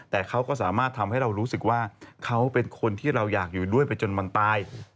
แต่เขาก็สามารถทำให้เรารู้สึกว่าเขาเป็นคนที่เราอยากอยู่ด้วยไปจนมันตาย